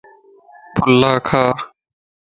ڦلا کا